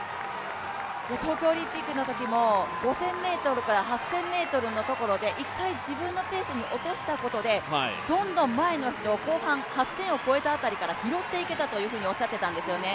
東京オリンピックのときも５０００ｍから８０００ｍのところで一回自分のペースに落としたことでどんどん前の人を８０００を超えた辺りから拾っていけたと話してたんですよね。